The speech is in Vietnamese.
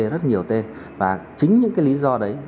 rất nhiều tên và chính những lý do đấy